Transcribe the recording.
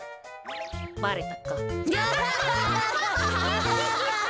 ばれたか。